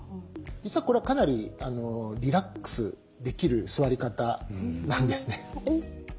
実はこれはかなりリラックスできる座り方なんですね。